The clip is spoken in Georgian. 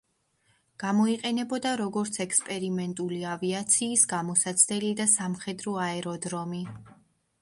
გამოიყენებოდა როგორც ექსპერიმენტული ავიაციის გამოსაცდელი და სამხედრო აეროდრომი.